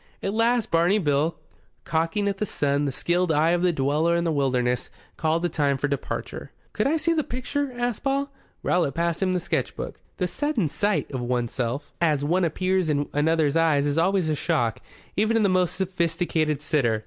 At last Barney Bill, cocking at the sun the skilled eye of the dweller in the wilderness, called the time for departure. "Could I see th' picture?" asked Paul. Rowlatt passed him the sketch book. The sudden sight of oneself as one appears in another's eyes is always a shock, even to the most sophisticated sitter.